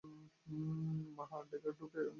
আহা, ডেকেড়ুকে এনে চলে যেতে বললে বড় লাগবে বেচারির মনে।